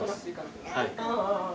はい。